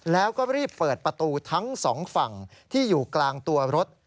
แล้วก็รีบเปิดประตูทั้งสองฝั่งที่อยู่กลางตัวรถ